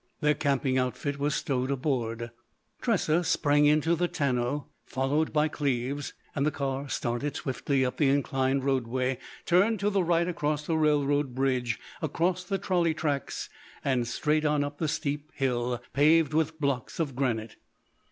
Their camping outfit was stowed aboard, Tressa sprang into the tonneau followed by Cleves, and the car started swiftly up the inclined roadway, turned to the right across the railroad bridge, across the trolley tracks, and straight on up the steep hill paved with blocks of granite.